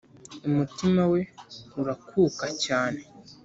umutima we urakuka cyane